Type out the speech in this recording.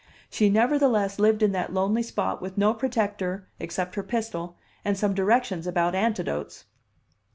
She nevertheless lived in that lonely spot with no protector except her pistol and some directions about antidotes.